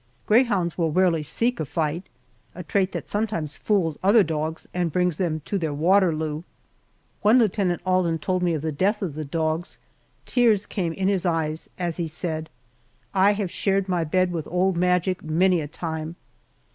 Greyhounds will rarely seek a fight, a trait that sometimes fools other dogs and brings them to their Waterloo. When Lieutenant Alden told me of the death of the dogs, tears came in his eyes as he said, "I have shared my bed with old Magic many a time!"